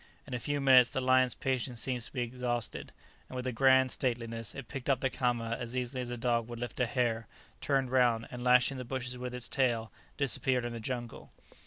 In a few minutes the lion's patience seemed to be exhausted; with a grand stateliness, it picked up the caama as easily as a dog would lift a hare, turned round, and lashing the bushes with its tail, disappeared in the jungle.